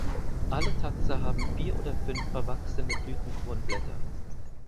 Alle Taxa haben vier oder fünf verwachsene Blütenkronblätter.